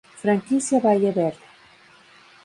Franquicia Valle Verde